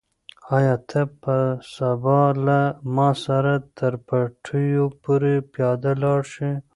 آیا ته به سبا له ما سره تر پټیو پورې پیاده لاړ شې؟